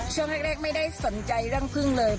ช่วงแรกไม่ได้สนใจเรื่องพึ่งเลย